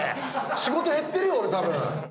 仕事減ってるよ、俺、たぶん。